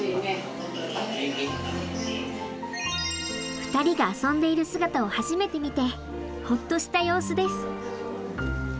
ふたりが遊んでいる姿を初めて見てホッとした様子です。